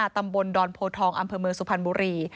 ตำบลดอนโพทองอำเภอเมืองสุพรรณบุรี